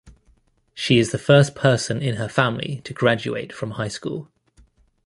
She is the first person in her family to graduate from high school.